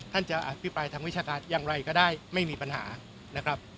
ท่านจะอภิปรายทางวิชาการอย่างไรก็ได้ไม่มีปัญหานะครับ